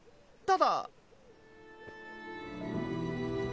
ただ。